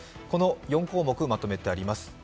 この４項目、まとめてあります。